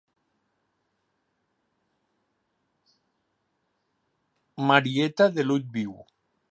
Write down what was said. Marieta de l'ull viu.